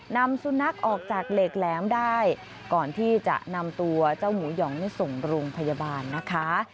นำสุนัขออกจากเหล็กแหลมได้ก่อนที่จะนำตัวเจ้าหมูหยองนี่ส่งโรงพยาบาลนะคะ